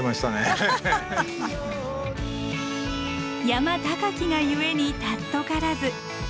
山高きが故に貴からず。